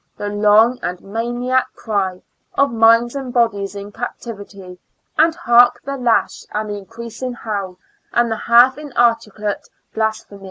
the long and maniac cry, Of minds and bodies in captivity, And hark ! the lash and the increasing howl. And the half inarticulate blasphemy